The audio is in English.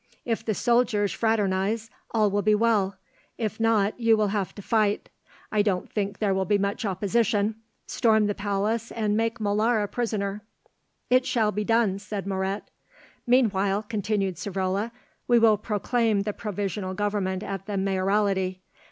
If the soldiers fraternise, all will be well; if not, you will have to fight I don't think there will be much opposition storm the palace and make Molara prisoner." "It shall be done," said Moret. "Meanwhile," continued Savrola, "we will proclaim the Provisional Government at the Mayoralty.